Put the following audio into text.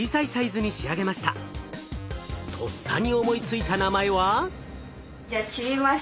とっさに思いついた名前は。